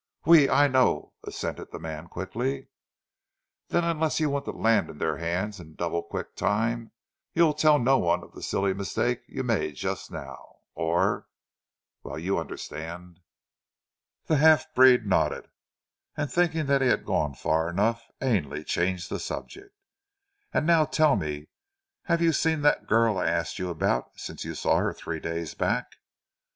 "Oui, I know," assented the man quickly. "Then unless you want to land in their hands in double quick time you'll tell no one of the silly mistake you made just now, or well you understand." The half breed nodded, and thinking that he had gone far enough, Ainley changed the subject. "And now tell me, have you seen that girl I asked you about since you saw her three days back?"